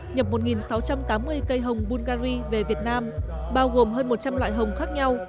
nhập một sáu trăm tám mươi cây hồng bulgari về việt nam bao gồm hơn một trăm linh loại hồng khác nhau